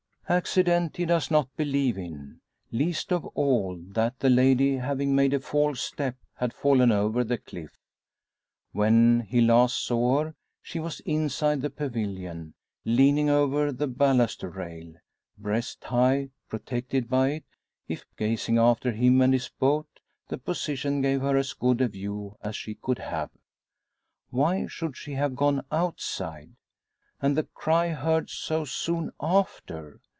Accident he does not believe in least of all, that the lady having made a false step, had fallen over the cliff. When he last saw her she was inside the pavilion, leaning over the baluster rail, breast high; protected by it. If gazing after him and his boat, the position gave her as good a view as she could have. Why should she have gone outside? And the cry heard so soon after?